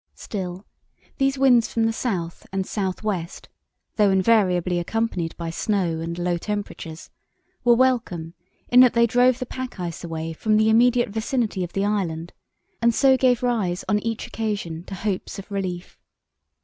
Still, these winds from the south and south west, though invariably accompanied by snow and low temperatures, were welcome in that they drove the pack ice away from the immediate vicinity of the island, and so gave rise on each occasion to hopes of relief.